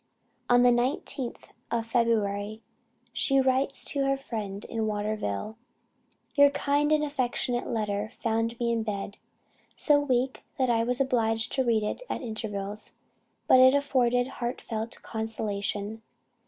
On the 19th of February she writes to her friend in Waterville: "Your kind and affectionate letter found me in bed, so weak that I was obliged to read it at intervals; but it afforded heartfelt consolation.